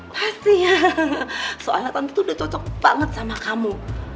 pastinya soalnya tante tuh udah cocok banget sama kamu